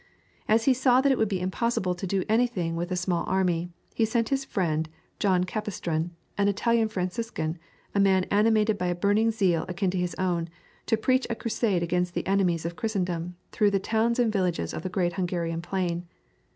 As he saw that it would be impossible to do anything with a small army, he sent his friend, John Capistran, an Italian Franciscan, a man animated by a burning zeal akin to his own, to preach a crusade against the enemies of Christendom through the towns and villages of the Great Hungarian Plain.